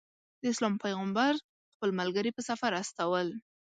د اسلام پیغمبر خپل ملګري په سفر استول.